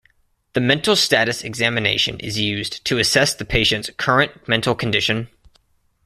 The mental status examination is used to assess the patient's current mental condition.